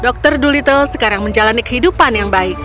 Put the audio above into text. dokter dolittle sekarang menjalani kehidupan yang baik